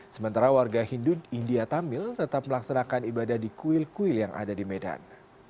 sementara warga hindun india tamil tetap melaksanakan ibadah di kuil kuil yang ada di medan